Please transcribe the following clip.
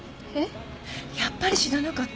やっぱり知らなかった？